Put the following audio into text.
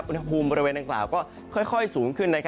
อุณหภูมิบริเวณอังกล่าวก็ค่อยสูงขึ้น